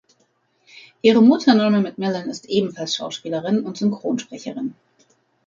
Ihre Mutter Norma Macmillan ist ebenfalls Schauspielerin und Synchronsprecherin.